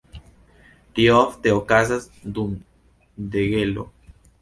Tio ofte okazas dum degelo.